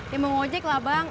ya mau ngojek lah bang